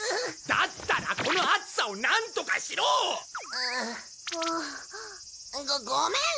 だったらこの暑さをなんとかしろ！ごごめん！